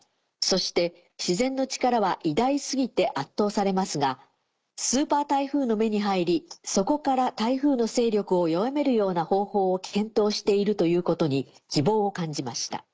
そして自然の力は偉大過ぎて圧倒されますがスーパー台風の目に入りそこから台風の勢力を弱めるような方法を検討しているということに希望を感じました。